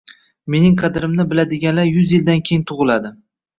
Mening qadrimni biladiganlar yuz yildan keyin tug’iladi.